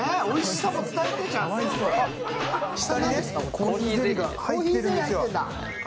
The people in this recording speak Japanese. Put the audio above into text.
コーヒーゼリー入ってるんだ。